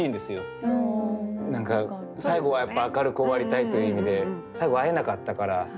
何か最後はやっぱ明るく終わりたいという意味で最後会えなかったから。